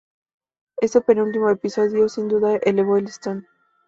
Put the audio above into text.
Este penúltimo episodio sin duda elevó el listón.